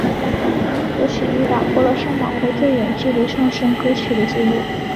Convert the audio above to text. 歌曲亦打破了上榜后最远距离上升歌曲的记录。